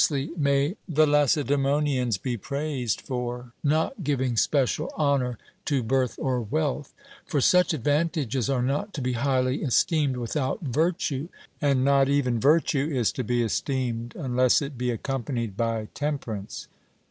Justly may the Lacedaemonians be praised for not giving special honour to birth or wealth; for such advantages are not to be highly esteemed without virtue, and not even virtue is to be esteemed unless it be accompanied by temperance.